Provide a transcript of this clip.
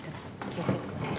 気をつけてください